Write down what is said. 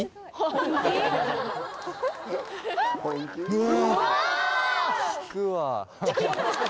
うわ！